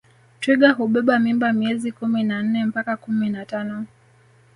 Twiga hubeba mimba miezi kumi na nne mpaka kumi na tano